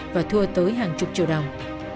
và thua tới hàng chục triệu đồng